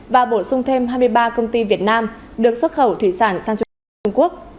và bổ sung thêm hai mươi ba công ty việt nam được xuất khẩu thủy sản sang trung quốc